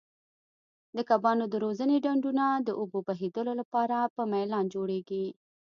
د کبانو د روزنې ډنډونه د اوبو بهېدو لپاره په میلان جوړیږي.